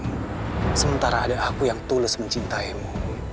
dan sementara ada aku yang tulus mencintaimu